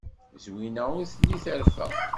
Zwina ur telli terfa.